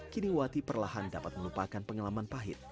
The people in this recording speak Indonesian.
kini wati perlahan dapat melupakan pengalaman pahit